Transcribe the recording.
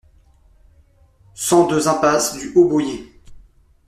cent deux impasse du Haut Boyet